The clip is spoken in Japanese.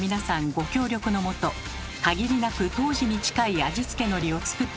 ご協力のもと限りなく当時に近い味付けのりを作って頂きました。